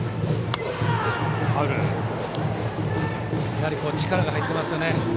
やはり力が入っていますよね。